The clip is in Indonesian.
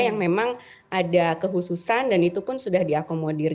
yang memang ada kehususan dan itu pun sudah diakomodir